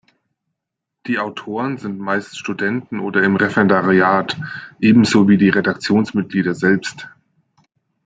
Die Autoren sind meist Studenten oder im Referendariat, ebenso wie die Redaktionsmitglieder selbst.